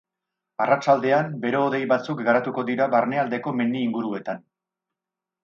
Arratsaldean, bero-hodei batzuk garatuko dira barnealdeko mendi inguruetan.